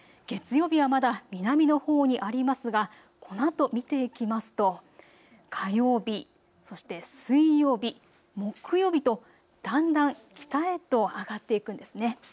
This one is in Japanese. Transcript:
月曜日はまだ南のほうにありますが、このあと見ていきますと火曜日、そして水曜日、木曜日とだんだん北へと上がっていくんですね。